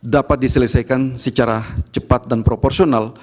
dapat diselesaikan secara cepat dan proporsional